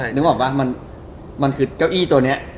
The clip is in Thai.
นึกออกป่ะมันคือเก้าอี้ตัวนี้